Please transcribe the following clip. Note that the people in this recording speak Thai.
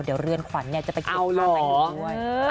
เดี๋ยวเรือนขวัญเนี่ยจะไปหยุดความสั่งอยู่ด้วย